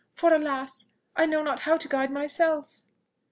for, alas! I know not how to guide myself!"